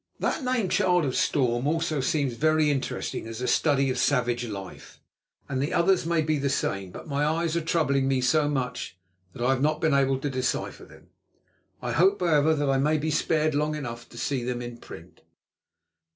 "That named 'Child of Storm' also seems very interesting as a study of savage life, and the others may be the same; but my eyes are troubling me so much that I have not been able to decipher them. I hope, however, that I may be spared long enough to see them in print.